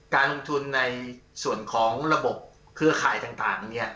การลงทุนในส่วนของระบบเครือข่ายต่าง